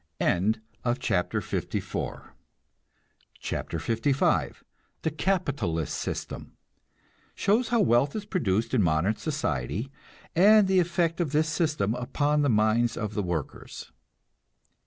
CHAPTER LV THE CAPITALIST SYSTEM (Shows how wealth is produced in modern society, and the effect of this system upon the minds of the workers.)